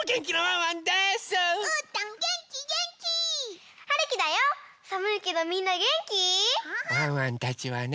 ワンワンたちはね